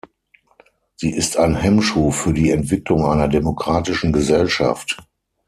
Sie ist ein Hemmschuh für die Entwicklung einer demokratischen Gesellschaft.